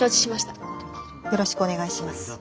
よろしくお願いします。